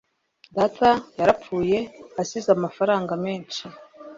data yarapfuye, asize amafaranga menshi